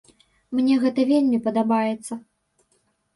Мне гэта вельмі падабаецца.